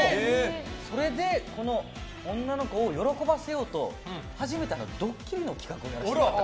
それでこの女の子を喜ばせようと初めてドッキリの企画をやりました。